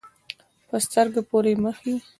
په سترګو پورې یې مښي.